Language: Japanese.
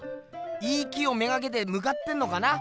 いい木を目がけてむかってんのかな？